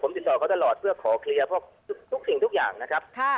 ติดต่อเขาตลอดเพื่อขอเคลียร์พวกทุกสิ่งทุกอย่างนะครับ